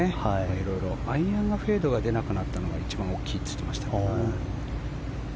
色々アイアンがフェードが出なくなったのが一番大きいと言っていました。